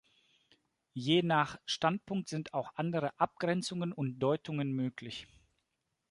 Je nach Standpunkt sind auch andere Abgrenzungen und Deutungen möglich.